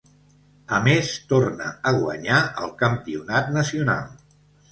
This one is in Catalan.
A més torna a guanyar el campionat nacional.